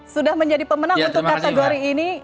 sudah menjadi pemenang untuk kategori ini